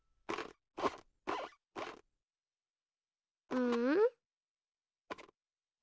うん？